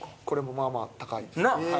これもまあまあ高いです。なあ？